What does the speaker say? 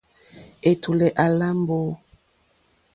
Ɛ̀tùlɛ̀ à lá mbǒ.